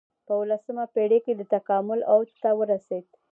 په اولسمه پېړۍ کې د تکامل اوج ته ورسېد.